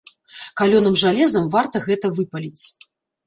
Калёным жалезам варта гэта выпаліць.